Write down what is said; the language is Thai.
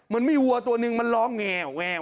มันมีวัวตัวนึงมันร้องแง